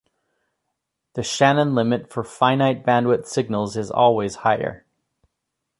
The Shannon limit for finite-bandwidth signals is always higher.